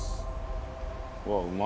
うわっうま